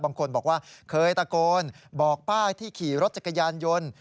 บางคนบอกว่าเคยตะโกนบอกป้าที่ขี่รถจักรยานยนต์